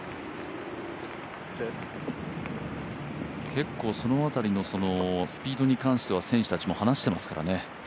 結構その辺りのスピードに関しては選手たちも話していますからね。